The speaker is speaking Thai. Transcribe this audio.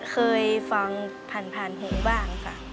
เคยฟังผ่านหูบ้างค่ะ